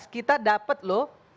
kita dapet loh